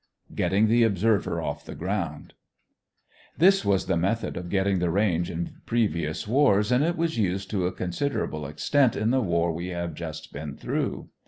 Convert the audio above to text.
GETTING THE OBSERVER OFF THE GROUND This was the method of getting the range in previous wars and it was used to a considerable extent in the war we have just been through.